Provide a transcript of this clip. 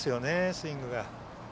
スイングが。